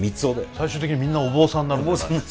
最終的にみんなお坊さんになるんじゃないの？